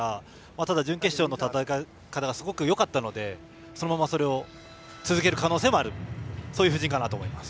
ただ、準決勝の戦い方がすごくよかったのでそのままそれを続ける可能性もあるという布陣かなと思います。